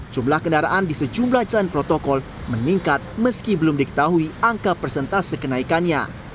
jumlah kendaraan di sejumlah jalan protokol meningkat meski belum diketahui angka persentase kenaikannya